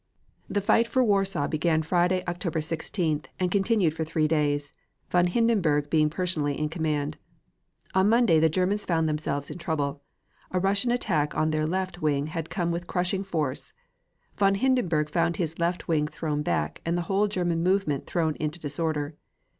The fight for Warsaw began Friday, October 16th, and continued for three days, von Hindenburg being personally in command. On Monday the Germans found themselves in trouble. A Russian attack on their left wing had come with crushing force. Von Hindenburg found his left wing thrown back, and the whole German movement thrown into disorder.